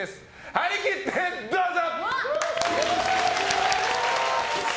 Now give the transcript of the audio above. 張り切ってどうぞ！